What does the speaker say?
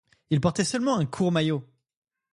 Il portait seulement un court maillot.